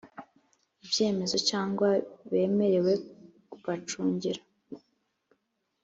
ibyemezo cyangwa bemerewe bacungira